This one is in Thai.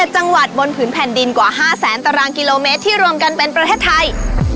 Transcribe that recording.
๗จังหวัดบนผืนแผ่นดินกว่า๕แสนตารางกิโลเมตรที่รวมกันเป็นประเทศไทย